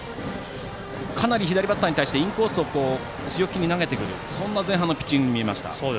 かなり左バッターに対してインコースに強気に投げてくるそんな前半のピッチングに見えました。